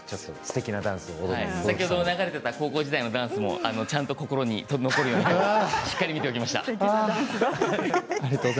先ほど流れていた高校時代のダンスも心に残るように、しっかり見ていました。